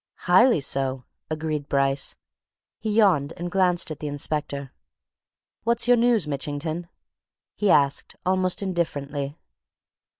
"Highly so!" agreed Bryce. He yawned, and glanced at the inspector. "What's your news, Mitchington?" he asked, almost indifferently.